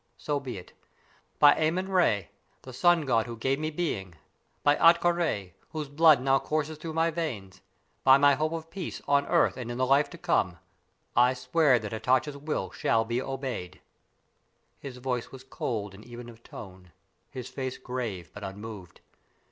So be it. By Āmen Rā, the Sun God who gave me being; by Ahtka Rā, whose blood now courses through my veins; by my hope of peace on earth and in the life to come, I swear that Hatatcha's will shall be obeyed!" His voice was cold and even of tone; his face grave, but unmoved.